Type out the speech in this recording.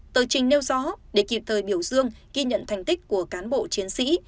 tờ trình nêu rõ để kịp thời biểu dương ghi nhận thành tích của cán bộ chiến sĩ